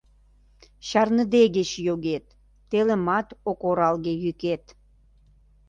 Чарныдегеч йогет, телымат ок оралге йӱкет.